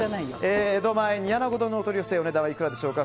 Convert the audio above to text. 江戸前煮穴子丼のお取り寄せいくらでしょうか。